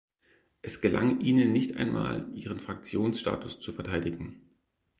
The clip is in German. Es gelang ihnen nicht einmal, ihren Fraktionsstatus zu verteidigen.